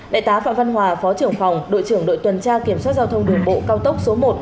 đại tá phạm văn hòa phó trưởng phòng đội trưởng đội tuần tra kiểm soát giao thông đường bộ cao tốc số một